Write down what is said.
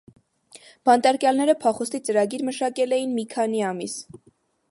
Բանտարկյալները փախուստի ծրագիրը մշակել էին մի քանի ամիս։